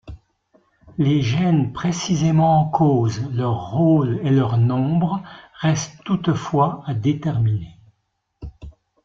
Les gènes précisément en cause, leur rôle et leur nombre restent toutefois à déterminer.